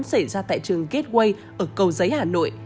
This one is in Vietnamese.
xảy ra tại trường gateway ở cầu giấy hà nội